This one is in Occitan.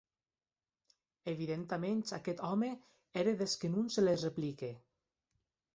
Evidentaments aqueth òme ère des que non se les replique.